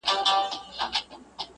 خپل گور هر چا ته تنگ ښکاري.